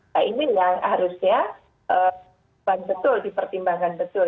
nah ini yang harusnya betul dipertimbangkan betul